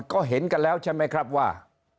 ก็เห็นกันแล้วใช่ไหมครับว่า